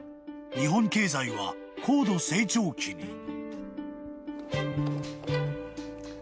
［日本経済は高度成長期に］